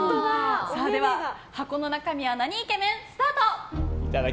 では箱の中身はなにイケメン？スタート！